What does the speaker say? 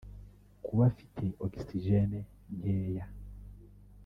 Kuba afite oxygen nkeya